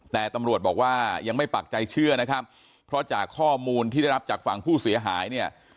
แต่ตำรวจบอกว่ายังไม่ปักใจเชื่อนะครับเพราะจากข้อมูลที่ได้รับจากฝั่งผู้เสียหายเนี่ย